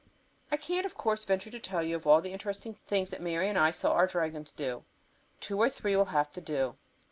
I can't, of course, venture to tell you of all the interesting things that Mary and I saw our dragons do. Two or three will have to do.